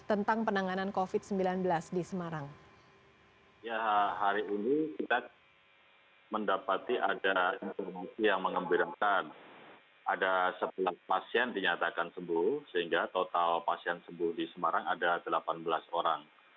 ada sepuluh pasien dinyatakan sembuh sehingga total pasien sembuh di semarang ada delapan belas orang